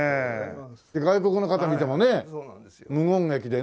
外国の方が見てもね無言劇でね。